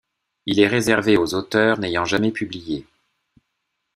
Il est réservé aux auteurs n'ayant jamais publié.